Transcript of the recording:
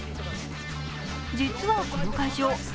実は、この会場